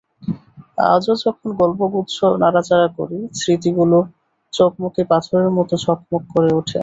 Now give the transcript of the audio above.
আজও যখন গল্পগুচ্ছ নাড়াচাড়া করি, স্মৃতিগুলো চকমকি পাথরের মতো ঝকমক করে ওঠে।